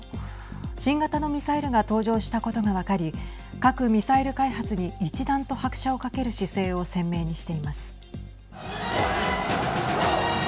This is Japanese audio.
新型のミサイルが登場したことが分かり核・ミサイル開発に一段と拍車をかける姿勢を鮮明にしています。